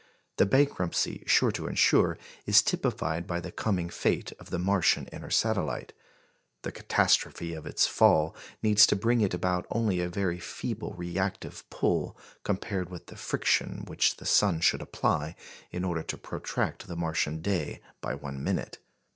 The bankruptcy sure to ensue is typified by the coming fate of the Martian inner satellite. The catastrophe of its fall needs to bring it about only a very feeble reactive pull compared with the friction which the sun should apply in order to protract the Martian day by one minute.